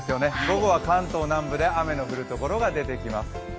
午後は関東南部で雨の降る所が出てきます。